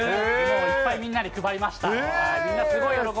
いっぱいみんなに配りました。